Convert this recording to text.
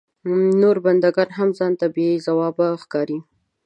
نور بنده ګان هم ځان ته بې ځوابه ښکاري.